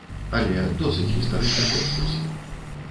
Але досыць гістарычных экскурсаў.